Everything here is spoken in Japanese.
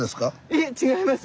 いえ違います